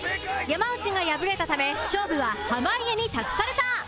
山内が敗れたため勝負は濱家に託された